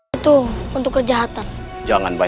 apa raden paham